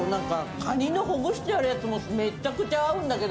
カニのほぐしているやつもめっちゃくちゃ合うんだけど。